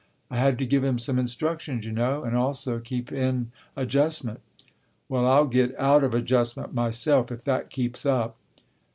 "I had to give him some instructions, you know, and also keep in adjustment." "Well, I'll get out of adjustment myself if that keeps up."